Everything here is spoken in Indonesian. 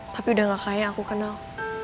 tapi udah gak kaya aku kenal